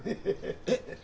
えっ？